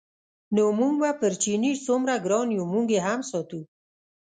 نو موږ به پر چیني څومره ګران یو موږ یې هم ساتو.